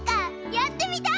やってみたい！